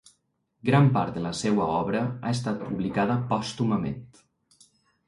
Gran part de la seua obra ha estat publicada pòstumament.